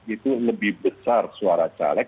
itu lebih besar suara caleg